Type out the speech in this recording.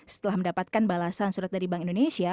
setelah mendapatkan balasan surat dari bank indonesia